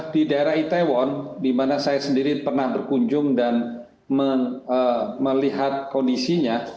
di daerah itaewon di mana saya sendiri pernah berkunjung dan melihat kondisinya